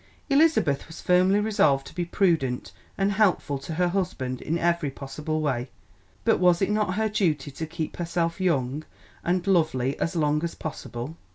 Elizabeth was firmly resolved to be prudent and helpful to her husband in every possible way; but was it not her duty to keep herself young and lovely as long as possible?